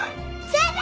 先生！